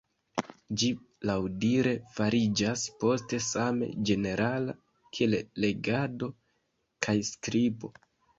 Ĝi laŭdire fariĝas poste same ĝenerala kiel legado kaj skribo.